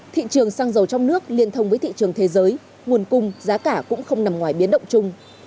thị trường xăng dầu trong nước liên thông với thị trường thế giới nguồn cung giá cả cũng không nằm ngoài biến động chung